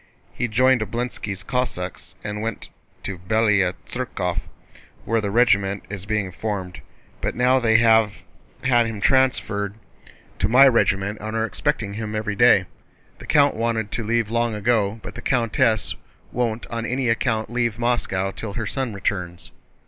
"He joined Obolénski's Cossacks and went to Bélaya Tsérkov where the regiment is being formed. But now they have had him transferred to my regiment and are expecting him every day. The count wanted to leave long ago, but the countess won't on any account leave Moscow till her son returns."